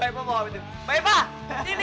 baiklah bawa ke sini baiklah sini